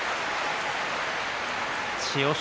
千代翔